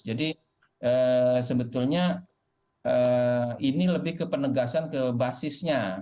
jadi sebetulnya ini lebih ke penegasan ke basisnya